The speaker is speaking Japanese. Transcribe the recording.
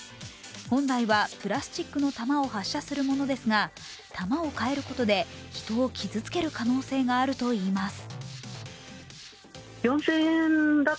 本来はプラスチックの弾を発射するものですが、弾を変えることで、人を傷つける可能性があるといいます。